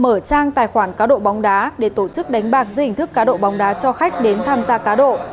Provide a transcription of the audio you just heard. mở trang tài khoản cá độ bóng đá để tổ chức đánh bạc dưới hình thức cá độ bóng đá cho khách đến tham gia cá độ